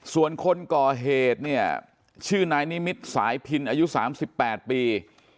ส่วนคนก่อเหตุเนี่ยชื่อนายนิมิตรสายพินอายุ๓๘ปี